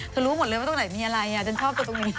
รู้หมดเลยว่าตรงไหนมีอะไรฉันชอบตัวตรงนี้